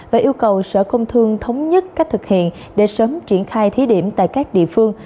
và yêu cầu sở công thương thống nhất cách thực hiện để sớm triển khai thí điểm tại các địa phương